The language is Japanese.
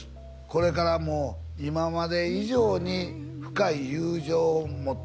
「これからも今まで以上に深い友情を持って」